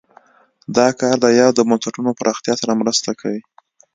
دا کار د یادو بنسټونو پراختیا سره مرسته کوي.